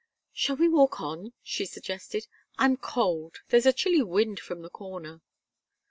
"Shall we walk on?" she suggested. "I'm cold there's a chilly wind from the corner."